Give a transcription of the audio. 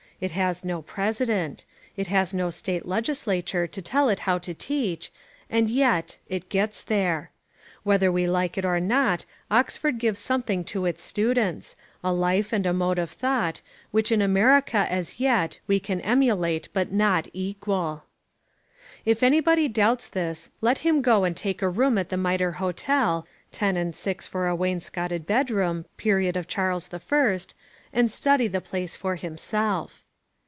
It has no president. It has no state legislature to tell it how to teach, and yet, it gets there. Whether we like it or not, Oxford gives something to its students, a life and a mode of thought, which in America as yet we can emulate but not equal. If anybody doubts this let him go and take a room at the Mitre Hotel (ten and six for a wainscotted bedroom, period of Charles I) and study the place for himself.